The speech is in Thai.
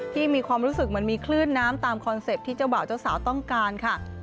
มีความรู้สึกเหมือนมีคลื่นน้ำตามคอนเซ็ปต์ที่เจ้าบ่าวเจ้าสาวต้องการค่ะ